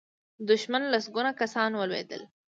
د دښمن لسګونه کسان ولوېدل.